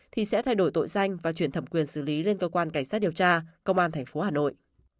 thì sẽ thay đổi tội danh và chuyển thẩm quyền xử lý lên cơ quan cảnh sát điều tra công an tp hà nội